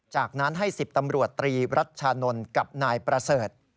จากนั้นให้๑๐ตำรวจตรีรัชชานนท์กับนายประเสริฐ